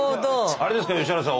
あれですかね吉原さん